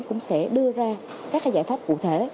cũng sẽ đưa ra các giải pháp cụ thể